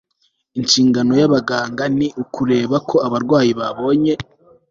Inshingano yabaganga ni ukureba ko abarwayi babonye